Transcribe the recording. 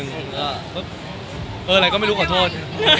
เออไรก็ไม่รู้ขอโทษ